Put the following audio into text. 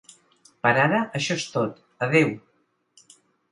Per ara, això és tot, adeu!